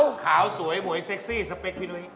ครับขาวสวยหม่วยเซ็กซี่สเปคพี่หนุ